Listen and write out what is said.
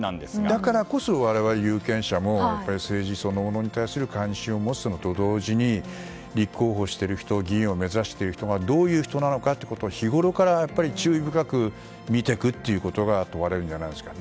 だからこそ我々有権者も政治そのものに対する関心を持つのと同時に立候補している人議員を目指している人がどういう人なのか日ごろから注意深く見ていくということが問われるんじゃないですか。